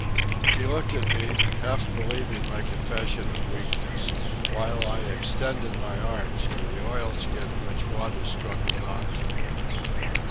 She looked at me, half believing my confession of weakness, while I extended my arms for the oilskin which Wada struggled on to me.